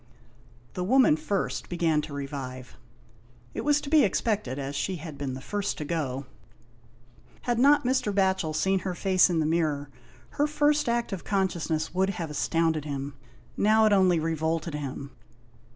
The woman first began to revive. It was to be expected, as she had been the first to go. Had not Mr. Batchel seen her face in the mirror, her first act of consciousness would have astounded him. Now it only revolted him.